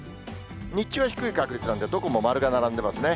日中は低い確率なんで、どこも丸が並んでますね。